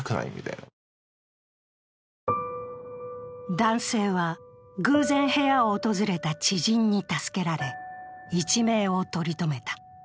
男性は偶然部屋を訪れた知人に助けられ、一命を取り留めた。